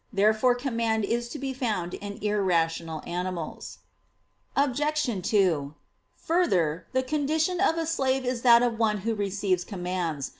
Therefore command is to be found in irrational animals. Obj. 2: Further, the condition of a slave is that of one who receives commands.